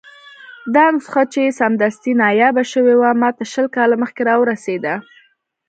دا نسخه چې سمدستي نایابه شوې وه، ماته شل کاله مخکې راورسېده.